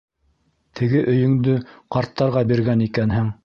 Теге өйөңдө ҡарттарға биргән икәнһең.